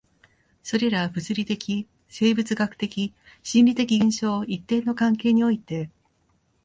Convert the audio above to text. それら物理的、生物学的、心理的現象を一定の関係において